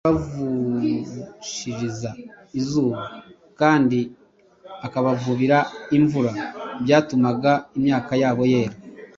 ko ari Yo ibavushijiriza izuba kandi akabavubira imvura byatumaga imyaka yabo ikura